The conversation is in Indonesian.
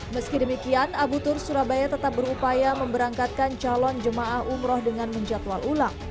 meski demikian abu tur surabaya tetap berupaya memberangkatkan calon jemaah umroh dengan menjatual ulang